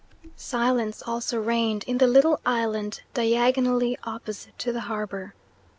Silence also reigned in the little island diagonally opposite to the harbour.